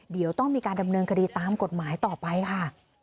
เดี๋ยวต้องมีการดำเนินคดีตามกฎหมายต่อไปค่ะ